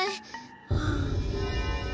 はあ。